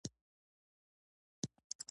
دوی وویل دا ده.